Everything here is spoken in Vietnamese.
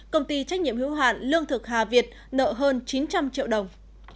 công ty trách nhiệm hiếu hạn lương thực hà việt nợ hơn chín trăm linh triệu đồng